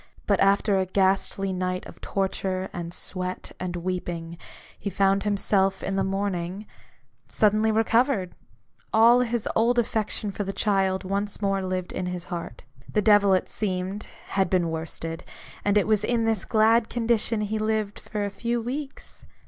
But after a ghastly night of torture, and sweat, and weeping, he found himself, in the morning, suddenly recovered ! All his old affection for the child once more lived in his heart : the devil, it seemed, had been worsted : and it was in this glad condition that he lived for a few weeks.